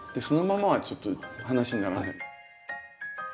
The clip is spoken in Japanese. そのままはちょっと話にならない。